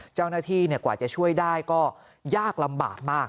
เจ้าหน้าที่กว่าจะช่วยได้ก็ยากลำบากมาก